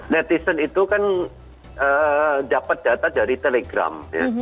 netizen itu kan dapat data dari telegram